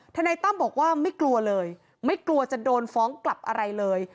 นายตั้มบอกว่าไม่กลัวเลยไม่กลัวจะโดนฟ้องกลับอะไรเลย